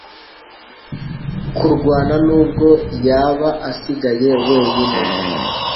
kurwana nubwo yaba asigaye wenyine